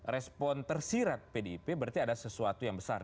respon tersirat pdip berarti ada sesuatu yang besar